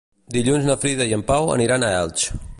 Dilluns na Frida i en Pau aniran a Elx.